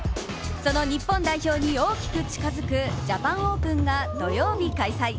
その日本代表に大きく近づくジャパンオープンが土曜日開催。